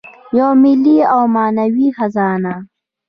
یوه ملي او معنوي خزانه.